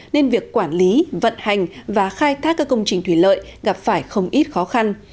nên việc quản lý vận hành và khai thác các công trình thủy lợi gặp phải không ít khó khăn